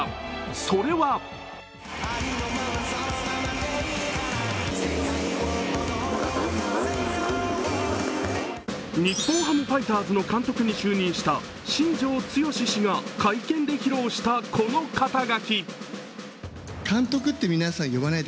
それは日本ハムファイターズの監督に就任した新庄剛志監督が会見で披露した、この肩書。